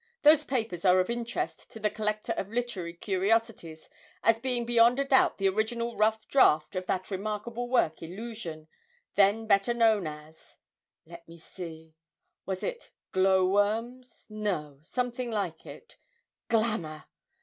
Those papers are of interest to the collector of literary curiosities as being beyond a doubt the original rough draft of that remarkable work "Illusion," then better known as let me see, was it "Glow worms"? no something like it, "Glamour!"